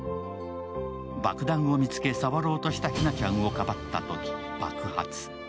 爆弾を見つけ、触ろうとしたひなちゃんをかばったとき爆発。